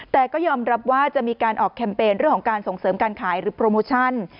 แต่ก็ยอมรับว่าจะมีการออกแคมเปญเรื่องของการส่งเสริมการขายหรือโปรโมชั่น